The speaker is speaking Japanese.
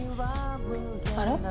あれ？